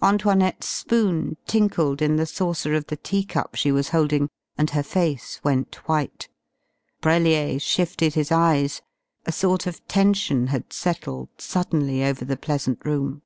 Antoinette's spoon tinkled in the saucer of the tea cup she was holding and her face went white. Brellier shifted his eyes. A sort of tension had settled suddenly over the pleasant room.